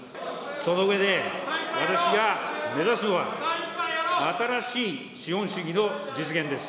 その上で、私が目指すのは、新しい資本主義の実現です。